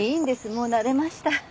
もう慣れました。